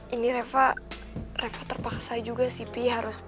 ini reva reva terpaksa juga sih pi harus pulang